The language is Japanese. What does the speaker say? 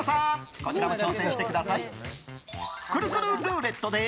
こちらも挑戦してください。